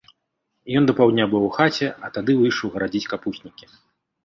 Ён да паўдня быў у хаце, а тады выйшаў гарадзіць капуснікі.